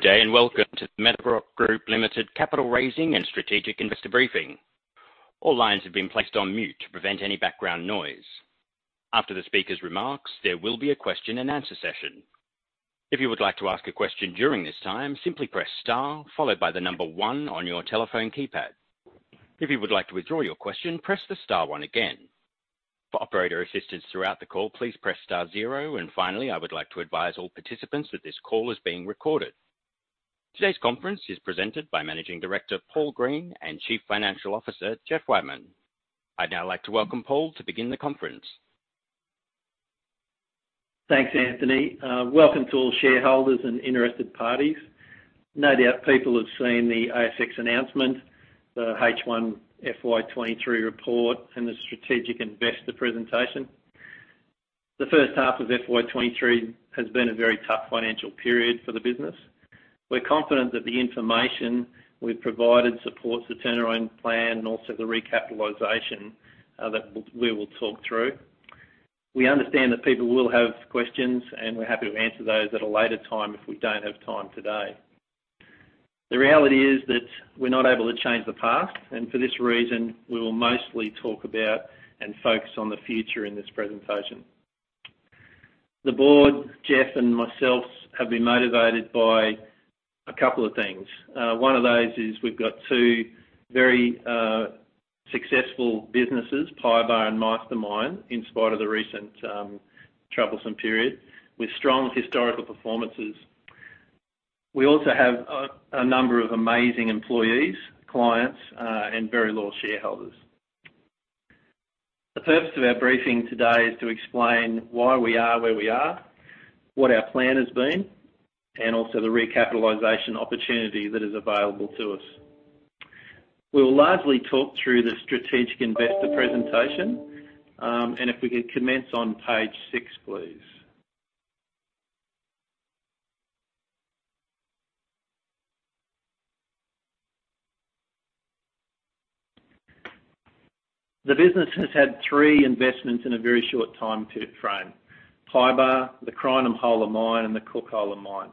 Good day, welcome to the Metarock Group Limited Capital Raising and Strategic Investor Briefing. All lines have been placed on mute to prevent any background noise. After the speaker's remarks, there will be a question and answer session. If you would like to ask a question during this time, simply press star, followed by the number 1 on your telephone keypad. If you would like to withdraw your question, press the star 1 again. For operator assistance throughout the call, please press star 0. Finally, I would like to advise all participants that this call is being recorded. Today's conference is presented by Managing Director, Paul Green, and Chief Financial Officer, Jeff Whiteman. I'd now like to welcome Paul to begin the conference. Thanks, Anthony. Welcome to all shareholders and interested parties. No doubt people have seen the ASX announcement, the H1FY '23 report, and the strategic investor presentation. The first half of FY '23 has been a very tough financial period for the business. We're confident that the information we've provided supports the turnaround plan and also the recapitalization, that we will talk through. We understand that people will have questions, and we're happy to answer those at a later time if we don't have time today. The reality is that we're not able to change the past, and for this reason, we will mostly talk about and focus on the future in this presentation. The board, Jeff and I have been motivated by a couple of things. One of those is we've got two very successful businesses, PYBAR and Mastermyne, in spite of the recent troublesome period with strong historical performances. We also have a number of amazing employees, clients, and very loyal shareholders. The purpose of our briefing today is to explain why we are where we are, what our plan has been, and also the recapitalization opportunity that is available to us. We'll largely talk through the strategic investor presentation, and if we could commence on page 6, please. The business has had 3 investments in a very short time frame: PYBAR, the Crinum Whole of Mine, and the Cook Whole of Mine,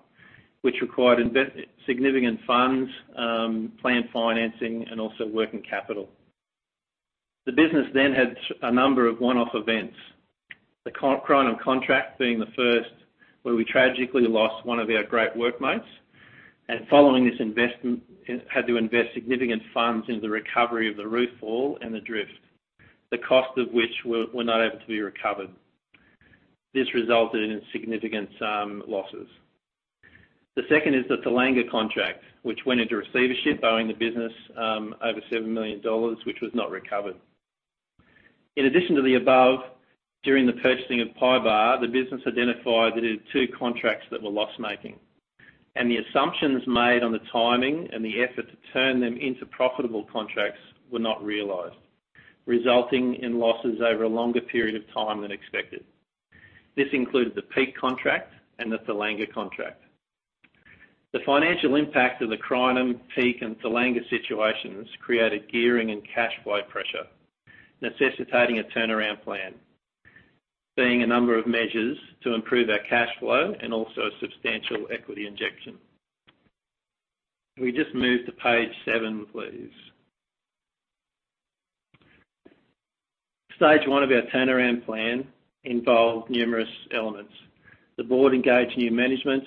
which required significant funds, planned financing, and also working capital. The business had a number of one-off events. The Crinum contract being the first, where we tragically lost one of our great work mates. Following this, we had to invest significant funds into the recovery of the roof fall and the drift, the cost of which was not able to be recovered. This resulted in significant losses. The second is the Thalanga contract, which went into receivership, owing the business over 7 million dollars, which was not recovered. In addition to the above, during the purchasing of PYBAR, the business identified that it had two contracts that were loss-making, the assumptions made on the timing and the effort to turn them into profitable contracts were not realized, resulting in losses over a longer period of time than expected. This included the Peak contract and the Thalanga contract. The financial impact of the Crinum, Peak, and Thalanga situations created gearing and cash flow pressure, necessitating a turnaround plan, being a number of measures to improve our cash flow and also a substantial equity injection. Can we just move to page 7, please? Stage one of our turnaround plan involved numerous elements. The board engaged new management.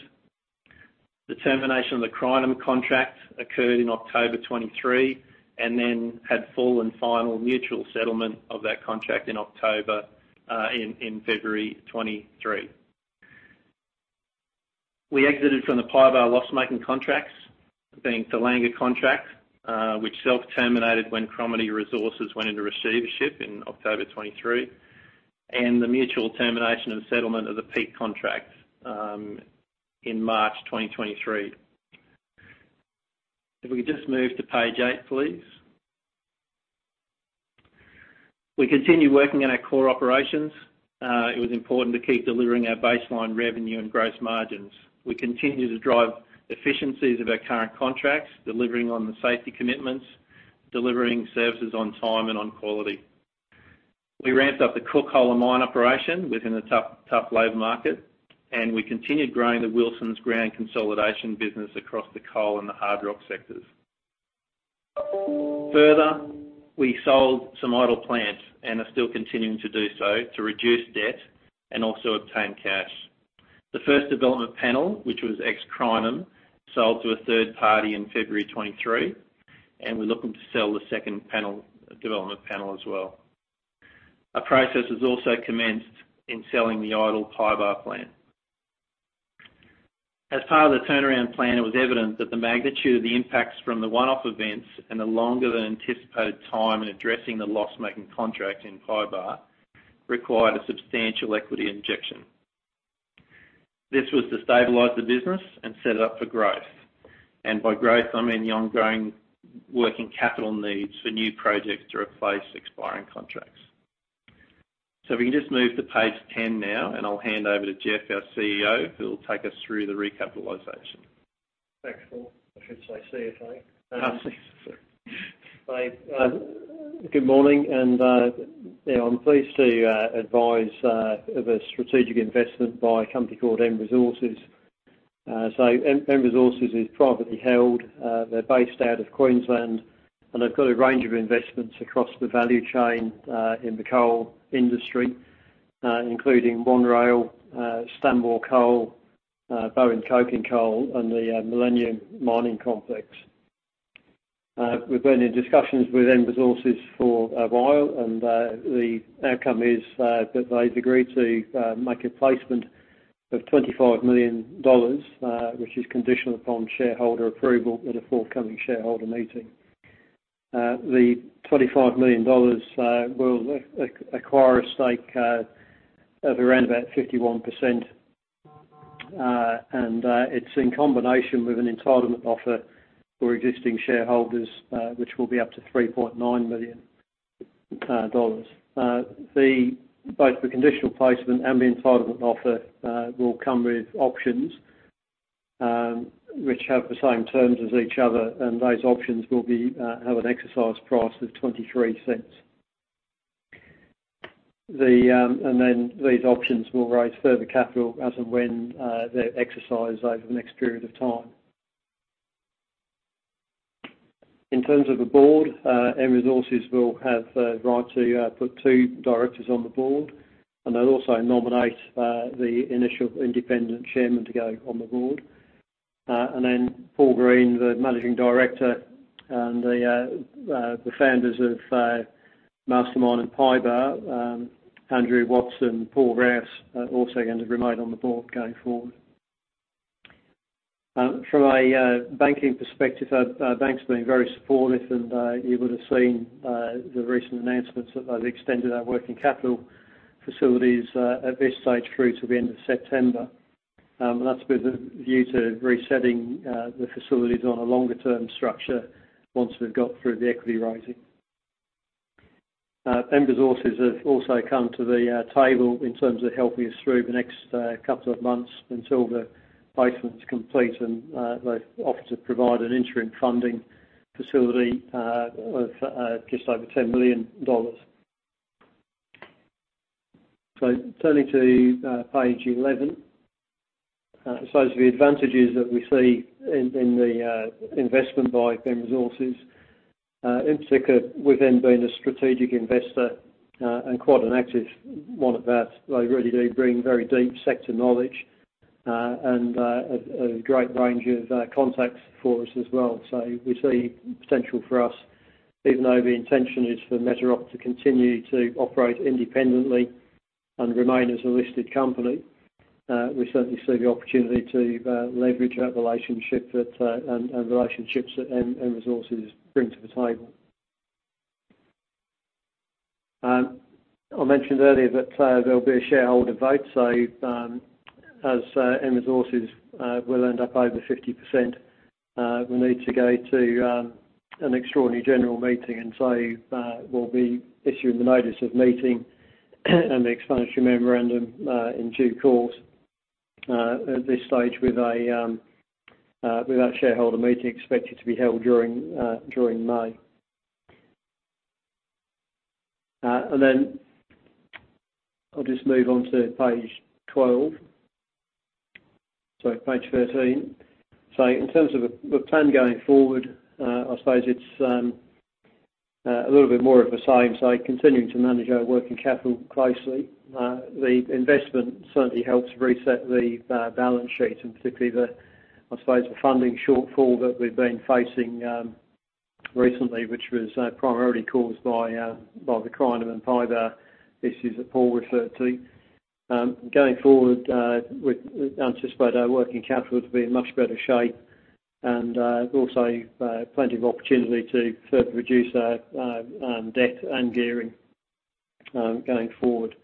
The termination of the Crinum contract occurred in October 2023, and then had full and final mutual settlement of that contract in February 2023. We exited from the PYBAR loss-making contracts, being Thalanga contract, which self-terminated when Cromarty Resources went into receivership in October 2023, and the mutual termination and settlement of the Peak contract in March 2023. If we could just move to page 8, please. We continue working on our core operations. It was important to keep delivering our baseline revenue and gross margins. We continue to drive efficiencies of our current contracts, delivering on the safety commitments, delivering services on time and on quality. We ramped up the Whole of Mine operation within a tough labor market, and we continued growing the Wilson Mining ground consolidation business across the coal and the hard rock sectors. We sold some idle plant and are still continuing to do so to reduce debt and also obtain cash. The first development panel, which was ex-Crinum, sold to a third party in February 2023, and we're looking to sell the second panel, development panel as well. A process was also commenced in selling the idle PYBAR plant. As part of the turnaround plan, it was evident that the magnitude of the impacts from the one-off events and the longer than anticipated time in addressing the loss-making contract in PYBAR required a substantial equity injection. This was to stabilize the business and set it up for growth. By growth, I mean the ongoing working capital needs for new projects to replace expiring contracts. If we can just move to page 10 now, and I'll hand over to Jeff, our CEO, who will take us through the recapitalization. Thanks, Paul. I should say CFO. CFO. Good morning and, yeah, I'm pleased to advise of a strategic investment by a company called M Resources. M Resources is privately held. They're based out of Queensland, and they've got a range of investments across the value chain in the coal industry, including OneRail, Stanmore Resources, Bowen Coking Coal, and the Millennium Mining Complex. We've been in discussions with M Resources for a while, the outcome is that they've agreed to make a placement of 25 million dollars, which is conditional upon shareholder approval at a forthcoming shareholder meeting. The 25 million dollars will acquire a stake of around about 51%. It's in combination with an entitlement offer for existing shareholders, which will be up to 3.9 million dollars. Both the conditional placement and the entitlement offer will come with options, which have the same terms as each other, and those options will have an exercise price of 0.23. These options will raise further capital as and when they're exercised over the next period of time. In terms of the board, M Resources will have the right to put two directors on the board, and they'll also nominate the initial independent chairman to go on the board. Paul Green, the Managing Director, and the founders of Mastermyne and PYBAR, Andrew Watts, Paul Rouse, are also going to remain on the board going forward. From a banking perspective, our bank's been very supportive, and you would have seen the recent announcements that they've extended our working capital facilities at this stage through to the end of September. That's with a view to resetting the facilities on a longer-term structure once we've got through the equity raising. M Resources have also come to the table in terms of helping us through the next couple of months until the placement's complete, and they've offered to provide an interim funding facility of just over 10 million dollars. Turning to page 11. The advantages that we see in the investment by M Resources, in particular with them being a strategic investor, and quite an active one at that. They really do bring very deep sector knowledge, and a great range of contacts for us as well. We see potential for us, even though the intention is for Metarock to continue to operate independently and remain as a listed company, we certainly see the opportunity to leverage that relationship that and relationships that M Resources bring to the table. I mentioned earlier that there'll be a shareholder vote. As M Resources will end up over 50%, we need to go to an extraordinary general meeting. We'll be issuing the notice of meeting and the explanatory memorandum in due course. At this stage with that shareholder meeting expected to be held during May. I'll just move on to page 12. Sorry, page 13. In terms of the plan going forward, I suppose it's a little bit more of the same. Continuing to manage our working capital closely. The investment certainly helps reset the balance sheet and particularly the, I suppose, the funding shortfall that we've been facing recently, which was primarily caused by the Crinum and PYBAR issues that Paul referred to. Going forward, we anticipate our working capital to be in much better shape and also plenty of opportunity to further reduce our debt and gearing going forward.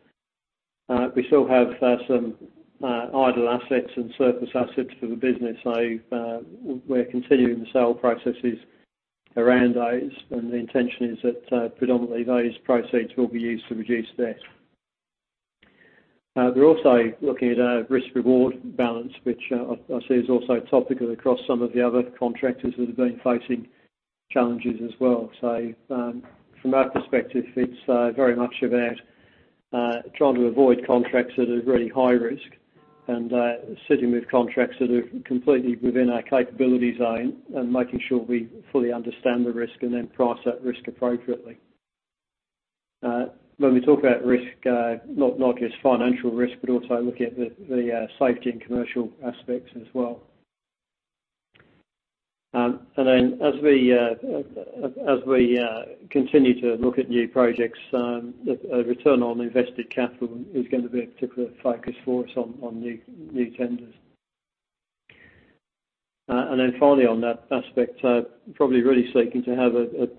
We still have some idle assets and surplus assets for the business. We're continuing the sale processes around those, and the intention is that predominantly those proceeds will be used to reduce debt. We're also looking at our risk/reward balance, which I see is also a topic across some of the other contractors that have been facing challenges as well. From our perspective, it's very much about trying to avoid contracts that are really high risk and sitting with contracts that are completely within our capabilities zone and making sure we fully understand the risk and then price that risk appropriately. When we talk about risk, not just financial risk, but also looking at the safety and commercial aspects as well. As we continue to look at new projects, the return on invested capital is going to be a particular focus for us on new tenders. Finally on that aspect, probably really seeking to have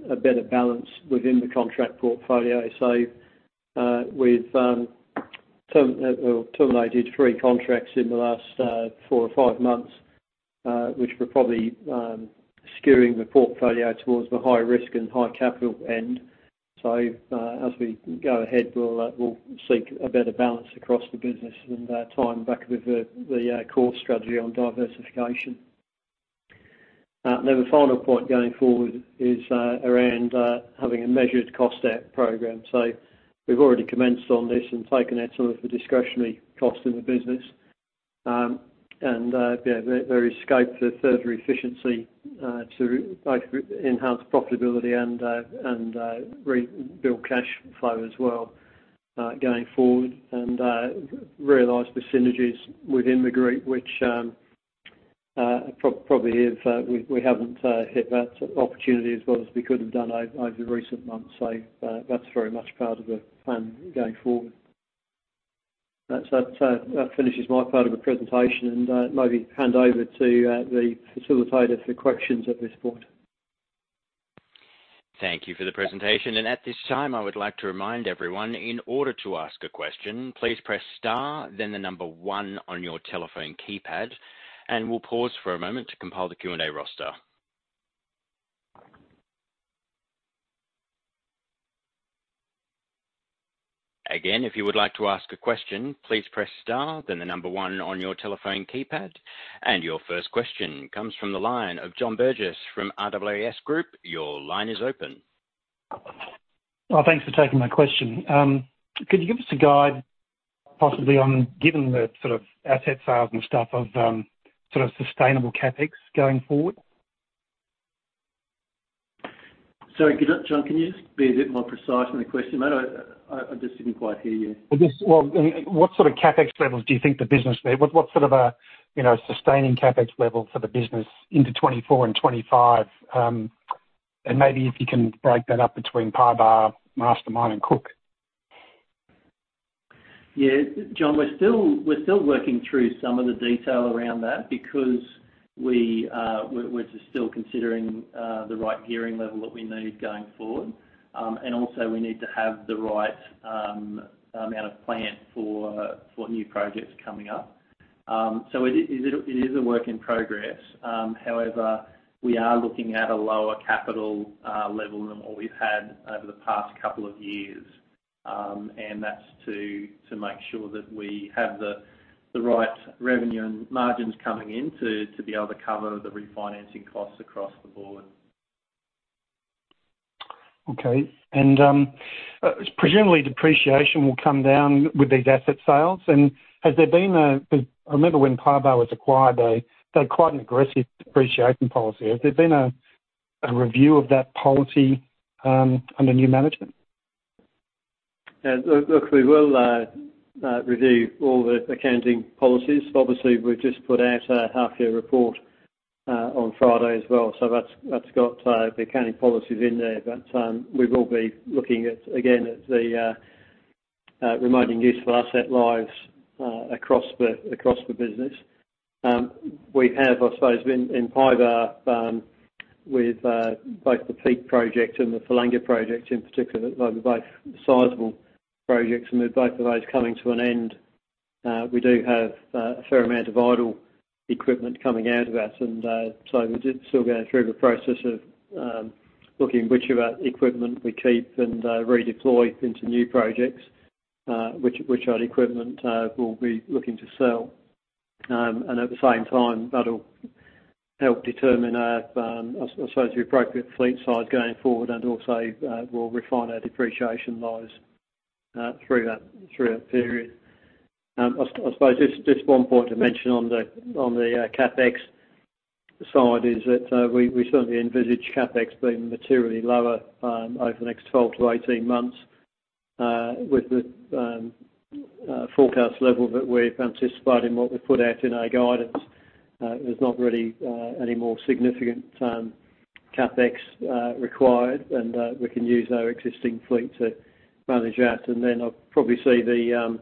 a better balance within the contract portfolio. We've terminated three contracts in the last 4 or 5 months, which were probably skewing the portfolio towards the high risk and high capital end. As we go ahead, we'll seek a better balance across the business and tie them back with the core strategy on diversification. The final point going forward is around having a measured cost out program. We've already commenced on this and taken out some of the discretionary costs in the business. There is scope for further efficiency to both enhance profitability and re-build cash flow as well going forward and realize the synergies within the group, which probably if we haven't hit that opportunity as well as we could have done over recent months. That's very much part of the plan going forward. That's that. That finishes my part of the presentation, and maybe hand over to the facilitator for questions at this point. Thank you for the presentation. At this time, I would like to remind everyone, in order to ask a question, please press star, then 1 on your telephone keypad, and we'll pause for a moment to compile the Q&A roster. Again, if you would like to ask a question, please press star, then 1 on your telephone keypad. Your first question comes from the line of John Burgess from AAS Group. Your line is open. Thanks for taking my question. Could you give us a guide possibly on, given the sort of asset sales and stuff of, sort of sustainable CapEx going forward? Sorry, John, can you just be a bit more precise on the question, mate? I just didn't quite hear you. Well, what sort of CapEx levels do you think the business need? What sort of a, you know, sustaining CapEx level for the business into 2024 and 2025? Maybe if you can break that up between PYBAR, Mastermyne, and Cook. Yeah. John, we're still working through some of the detail around that because we're just still considering the right gearing level that we need going forward. Also, we need to have the right amount of plan for new projects coming up. It is a work in progress. However, we are looking at a lower capital level than what we've had over the past couple of years. That's to make sure that we have the right revenue and margins coming in to be able to cover the refinancing costs across the board. Okay. Presumably depreciation will come down with these asset sales. Has there been a... Because I remember when PYBAR was acquired, they had quite an aggressive depreciation policy. Has there been a review of that policy, under new management? Look, we will review all the accounting policies. Obviously, we've just put out a half year report on Friday as well, that's got the accounting policies in there. We will be looking at, again, at the remaining useful asset lives across the business. We have, I suppose, in PYBAR, with both the Peak project and the Thalanga project in particular. They're both sizable projects, with both of those coming to an end, we do have a fair amount of idle equipment coming out of that. We're just still going through the process of looking which of our equipment we keep and redeploy into new projects, which of equipment we'll be looking to sell. At the same time, that'll help determine our, I would say the appropriate fleet size going forward and also, we'll refine our depreciation lives through that, through that period. I suppose just one point to mention on the CapEx side is that we certainly envisage CapEx being materially lower over the next 12 to 18 months, with the forecast level that we've anticipated in what we put out in our guidance. There's not really any more significant CapEx required and we can use our existing fleet to manage that. I'll probably see the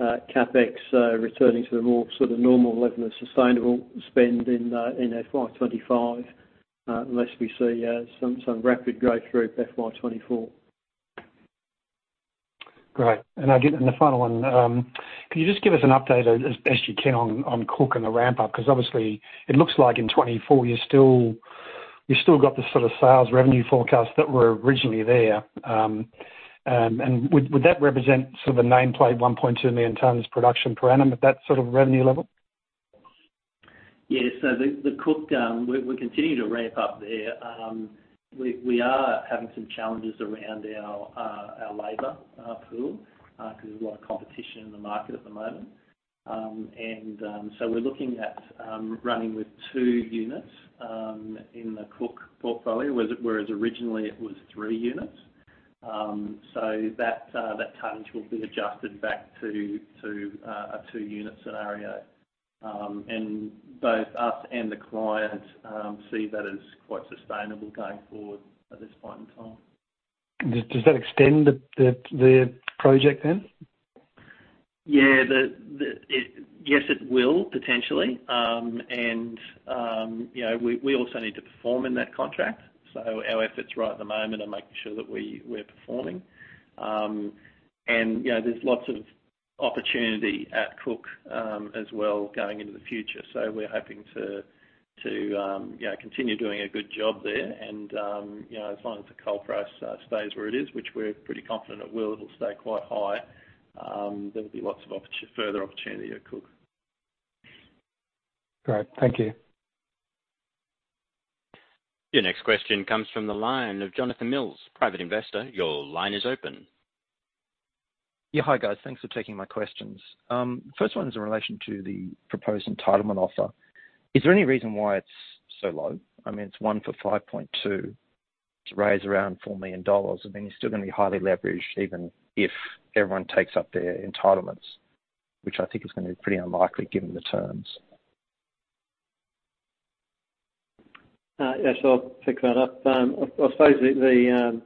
CapEx returning to a more sort of normal level of sustainable spend in FY 2025, unless we see some rapid growth through FY 2024. Great. The final one, could you just give us an update as best you can on Cook and the ramp up? Obviously it looks like in 2024 you still got the sort of sales revenue forecast that were originally there, and would that represent sort of a nameplate 1.2 million tons production per annum at that sort of revenue level? Yeah. At Cook, we are continuing to ramp up there. We are having some challenges around our labor pool because there's a lot of competition in the market at the moment. So we are looking at running with 2 units in the Cook portfolio, whereas originally it was 3 units. So that tonnage will be adjusted back to a 2-unit scenario. And both us and the client see that as quite sustainable going forward at this point in time. Does that extend the project then? Yeah. Yes, it will potentially. You know, we also need to perform in that contract. Our efforts right at the moment are making sure that we're performing. You know, there's lots of opportunity at Cook, as well going into the future. We're hoping to, you know, continue doing a good job there. You know, as long as the coal price stays where it is, which we're pretty confident it will, it'll stay quite high, there'll be lots of further opportunity at Cook. Great. Thank you. Your next question comes from the line of Jonathan Mills, Private Investor. Your line is open. Yeah. Hi, guys. Thanks for taking my questions. First one is in relation to the proposed entitlement offer. Is there any reason why it's so low? I mean, it's one for 5.2 to raise around 4 million dollars. I mean, you're still gonna be highly leveraged even if everyone takes up their entitlements, which I think is gonna be pretty unlikely given the terms. Yes, I'll pick that up. I suppose the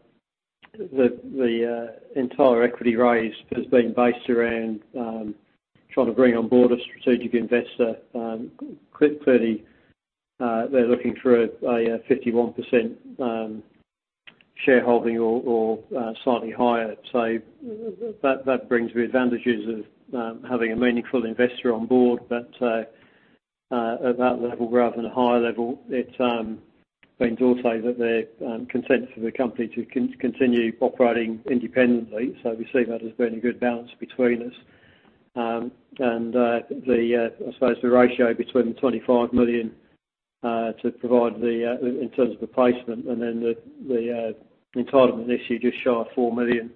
entire equity raise has been based around trying to bring on board a strategic investor. Clearly, they're looking for a 51% shareholding or slightly higher. That brings the advantages of having a meaningful investor on board, but at that level rather than a higher level. It means also that they're content for the company to continue operating independently. We see that as being a good balance between us. I suppose the ratio between 25 million to provide in terms of the placement and then the entitlement issue just shy of 4 million,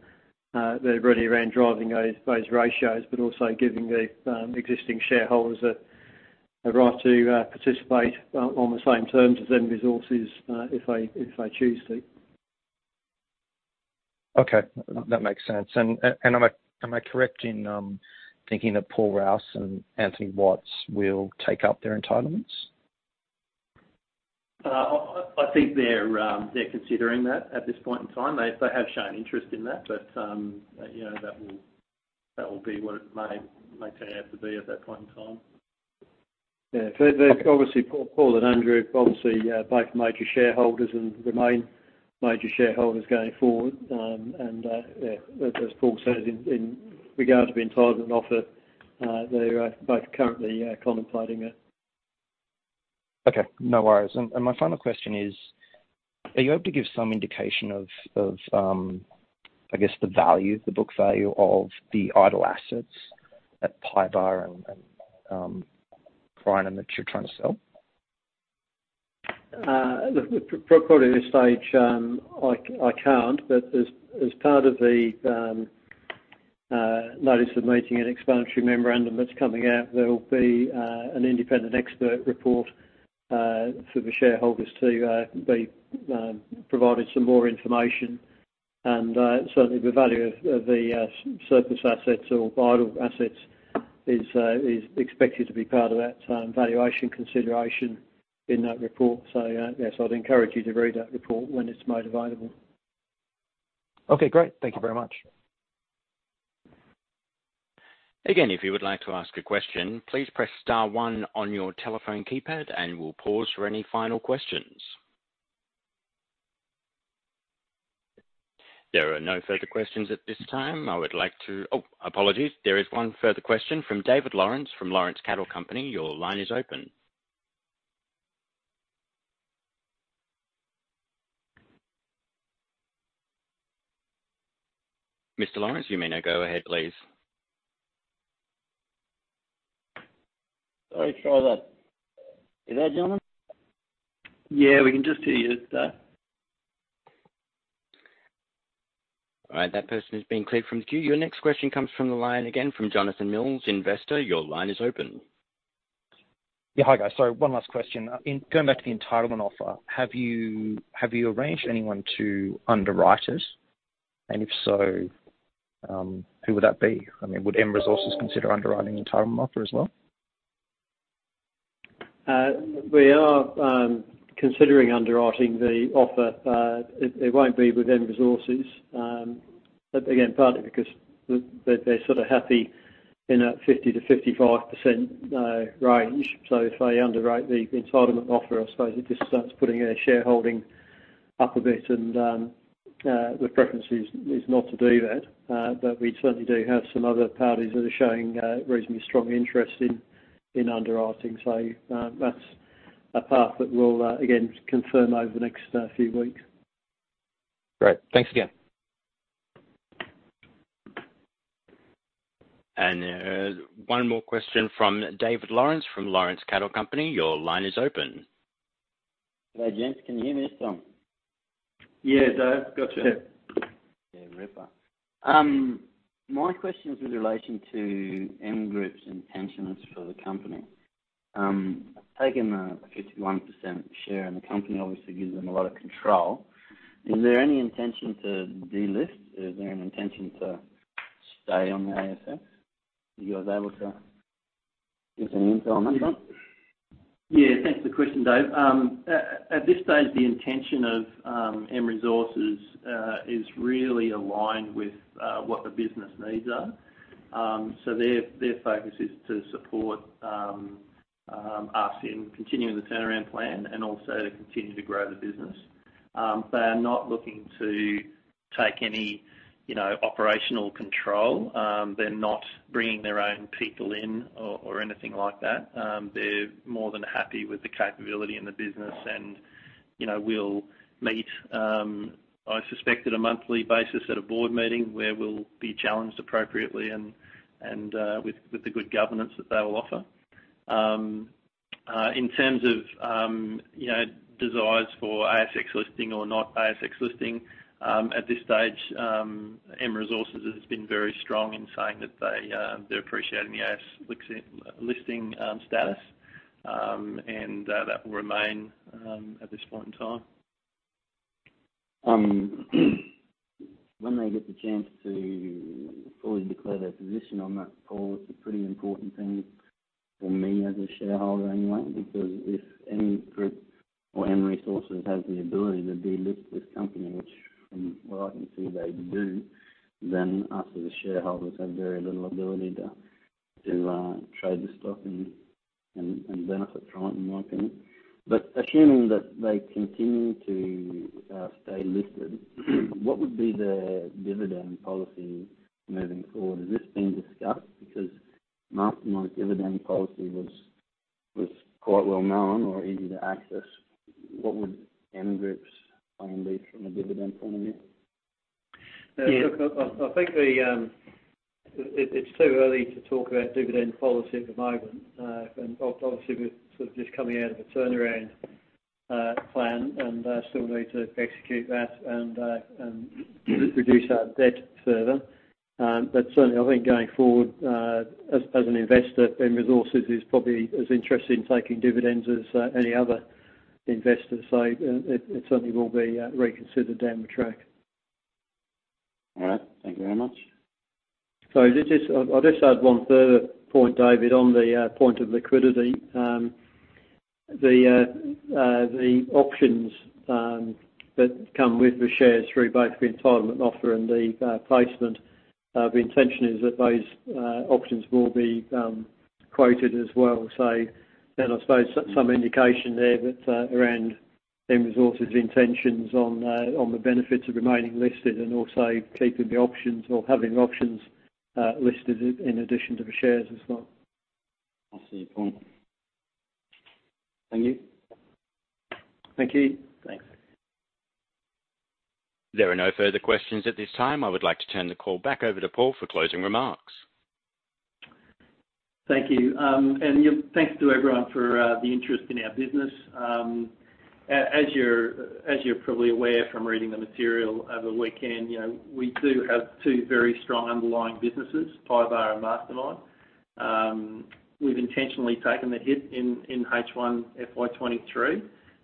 they're really around driving those ratios, but also giving the existing shareholders a right to participate on the same terms as M Resources if they choose to. Okay. That makes sense. Am I correct in thinking that Paul Rouse and Anthony Watts will take up their entitlements? I think they're considering that at this point in time. They have shown interest in that, but, you know, that will be what it may turn out to be at that point in time. Yeah. There's obviously Paul and Andrew, obviously, both major shareholders and remain major shareholders going forward. Yeah, as Paul says, in regard to the entitlement offer, they're both currently contemplating it. Okay. No worries. My final question is, are you able to give some indication of, I guess, the value, the book value of the idle assets at PYBAR and Crinum that you're trying to sell? Look, at probably this stage, I can't. As part of the notice of meeting an explanatory memorandum that's coming out, there'll be an independent expert report for the shareholders to be provided some more information. Certainly the value of the surplus assets or idle assets is expected to be part of that valuation consideration in that report. Yes, I'd encourage you to read that report when it's made available. Okay, great. Thank you very much. If you would like to ask a question, please press star one on your telephone keypad, and we'll pause for any final questions. There are no further questions at this time. Apologies. There is 1 further question from David Lawrence from Lawrence Cattle Company. Your line is open. Mr. Lawrence, you may now go ahead, please. Sorry for that. You there, gentlemen? Yeah, we can just hear you, sir. All right. That person has been cleared from the queue. Your next question comes from the line again from Jonathan Mills, investor. Your line is open. Yeah. Hi, guys. One last question. In going back to the entitlement offer, have you arranged anyone to underwrite it? If so, who would that be? I mean, would M Resources consider underwriting the entitlement offer as well? We are considering underwriting the offer. It won't be with M Resources, again, partly because they're sort of happy in a 50%-55% range. If they underwrite the entitlement offer, I suppose it just starts putting their shareholding up a bit. The preference is not to do that. We certainly do have some other parties that are showing reasonably strong interest in underwriting. That's a path that we'll again, confirm over the next few weeks. Great. Thanks again. There's one more question from David Lawrence from Lawrence Cattle Company. Your line is open. Good day, gents. Can you hear me, Tom? Yeah, Dave. Gotcha. Yeah. Ripper. My question is with relation to M Resources's intentions for the company. Taking a 51% share in the company obviously gives them a lot of control. Is there any intention to delist? Is there an intention to stay on the ASX? Are you guys able to give any intel on that front? Yeah. Thanks for the question, Dave. At this stage, the intention of M Resources is really aligned with what the business needs are. Their focus is to support us in continuing the turnaround plan and also to continue to grow the business. They are not looking to take any, you know, operational control. They're not bringing their own people in or anything like that. They're more than happy with the capability in the business and, you know, will meet, I suspect at a monthly basis at a board meeting where we'll be challenged appropriately and with the good governance that they will offer. In terms of desires for ASX listing or not ASX listing, at this stage, M Resources has been very strong in saying that they're appreciating the ASX listing status, and that will remain at this point in time. When they get the chance to fully declare their position on that call, it's a pretty important thing for me as a shareholder anyway, because if any group or M Resources has the ability to delist this company, which from what I can see they do, then us as shareholders have very little ability to trade the stock and benefit from it, in my opinion. Assuming that they continue to stay listed, what would be the dividend policy moving forward? Has this been discussed? Because Mastermyne's dividend policy was quite well known or easy to access. What would M Resources's plan be from a dividend point of view? Yeah. Look, I think the, it's too early to talk about dividend policy at the moment. Obviously, we're sort of just coming out of a turnaround plan and still need to execute that and reduce our debt further. Certainly I think going forward, as an investor, M Resources is probably as interested in taking dividends as any other investor. It certainly will be reconsidered down the track. All right. Thank you very much. I'll just add one further point, David, on the point of liquidity. The options that come with the shares through both the entitlement offer and the placement, the intention is that those options will be quoted as well, I suppose some indication there that around M Resources' intentions on the benefits of remaining listed and also keeping the options or having options listed in addition to the shares as well. I see your point. Thank you. Thank you. Thanks. There are no further questions at this time. I would like to turn the call back over to Paul for closing remarks. Thank you. Yeah, thanks to everyone for the interest in our business. As you're probably aware from reading the material over the weekend, you know, we do have two very strong underlying businesses, PYBAR and Mastermyne. We've intentionally taken the hit in H1 FY23.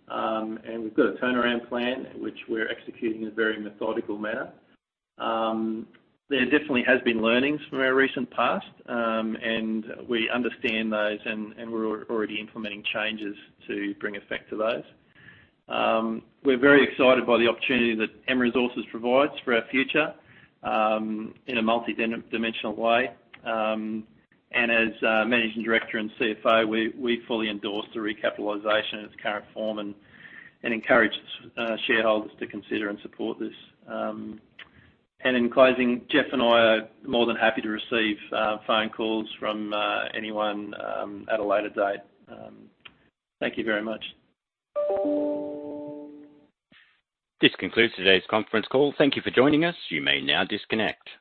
We've got a turnaround plan which we're executing in a very methodical manner. There definitely has been learnings from our recent past, we understand those, and we're already implementing changes to bring effect to those. We're very excited by the opportunity that M Resources provides for our future in a multidimensional way. As Managing Director and CFO, we fully endorse the recapitalization in its current form and encourage shareholders to consider and support this. In closing, Jeff and I are more than happy to receive phone calls from anyone at a later date. Thank you very much. This concludes today's conference call. Thank you for joining us. You may now disconnect.